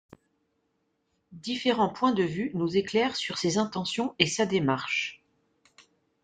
Différents points de vue nous éclairent sur ses intentions et sa démarche.